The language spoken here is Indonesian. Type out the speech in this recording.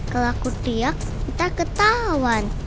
kelaku tiap minta ketahuan